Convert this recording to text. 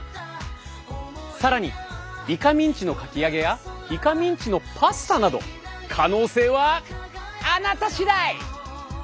更にイカミンチのかき揚げやイカミンチのパスタなど可能性はあなた次第！